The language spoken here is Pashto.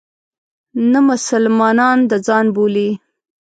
نه مسلمانان د ځان بولي.